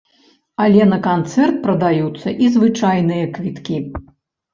Але на канцэрт прадаюцца і звычайныя квіткі.